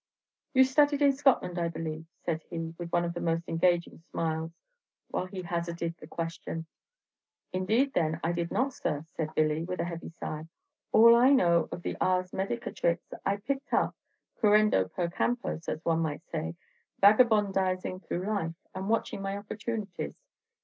"You studied in Scotland, I believe?" said he, with one of the most engaging smiles, while he hazarded the question. "Indeed, then, I did not, sir," said Billy, with a heavy sigh; "all I know of the ars medicâtrix I picked up, currendo per campos, as one may say, vagabondizing through life, and watching my opportunities.